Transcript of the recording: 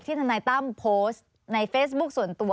ทนายตั้มโพสต์ในเฟซบุ๊คส่วนตัว